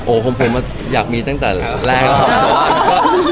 โอ้คงผมอยากมีตั้งแต่แรก